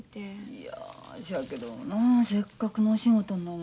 いやせやけどなせっかくのお仕事なのになあ。